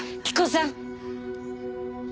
着子さん！